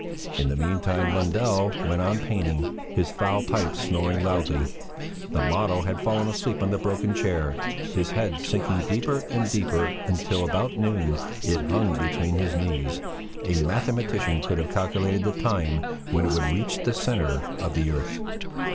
In the meantime Lundell went on painting, his foul pipe snoring loudly. The model had fallen asleep on the broken chair, his head sinking deeper and deeper until, about noon, it hung between his knees; a mathematician could have calculated the time when it would reach the centre of the earth.